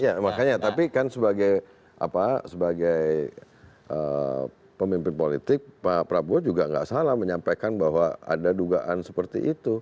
ya makanya tapi kan sebagai pemimpin politik pak prabowo juga nggak salah menyampaikan bahwa ada dugaan seperti itu